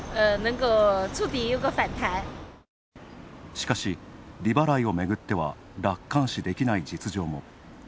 しかし、利払いをめぐっては楽観視できない実情も。